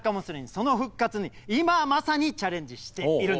その復活に今まさにチャレンジしているんです。